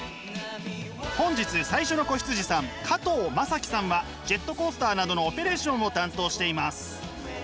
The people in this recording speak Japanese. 本日最初の子羊さん加藤正貴さんはジェットコースターなどのオペレーションを担当しています。